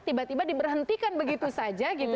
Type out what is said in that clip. tiba tiba diberhentikan begitu saja gitu